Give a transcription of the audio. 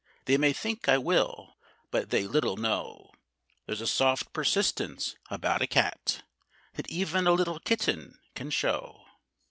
They may think I will, but they little know There's a soft persistence about a cat That even a little kitten can show.